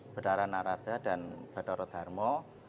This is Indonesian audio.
benara narada dan badara dharma